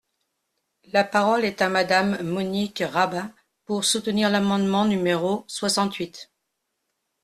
La parole est à Madame Monique Rabin, pour soutenir l’amendement numéro soixante-huit.